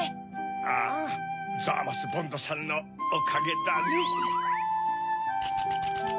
ああザーマス・ボンドさんのおかげだね。